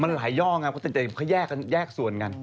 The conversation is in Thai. มันหลายย่อไงเขาแยกส่วนกัน